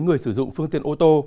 người sử dụng phương tiện ô tô